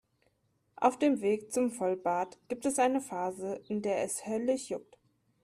Auf dem Weg zum Vollbart gibt es eine Phase, in der es höllisch juckt.